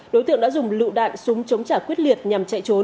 đối tượng đã dùng lựu đạn súng chống trả quyết liệt nhằm chạy trốn